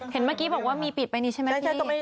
เห็นเมื่อกี้บอกว่ามีปิดไปนี้ใช่ไหมพี่